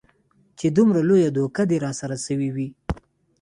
چې دومره لويه دوکه دې راسره سوې وي.